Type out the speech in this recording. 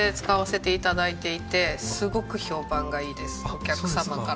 お客様から。